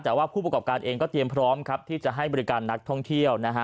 แต่ว่าผู้ประกอบการเองก็เตรียมพร้อมครับที่จะให้บริการนักท่องเที่ยวนะฮะ